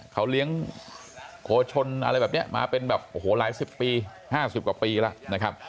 เขาเลี้ยงโคชนอะไรแบบนี้มาเป็นแบบโอ้โหหลายสิบปี๕๐กว่าปีแล้วนะครับ